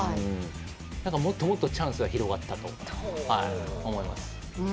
だから、もっとチャンスが広がったと思います。